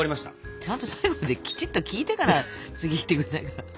ちゃんと最後まできちっと聞いてから次行ってくんないかな？